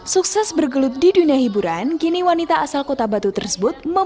sukses bergelut di dunia hiburan kini wanita asal kota batu tersebut